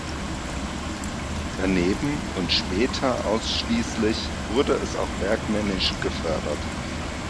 Daneben und später ausschließlich wurde es auch bergmännisch gefördert.